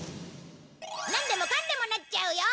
なんでもかんでもなっちゃうよ！